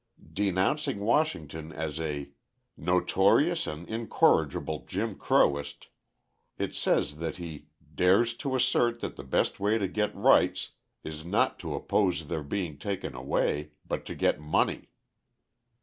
Denouncing Washington as a "notorious and incorrigible Jim Crowist," it says that he "dares to assert that the best way to get rights is not to oppose their being taken away, but to get money."